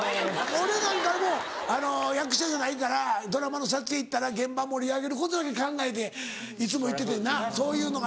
俺なんかはもう役者じゃないからドラマの撮影行ったら現場盛り上げることだけ考えていつも行っててんなそういうのが。